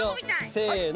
せの！